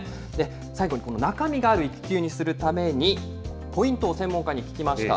最後に中身がある育休にするために、ポイントを専門家に聞きました。